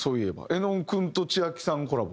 絵音君と千亜妃さんコラボ。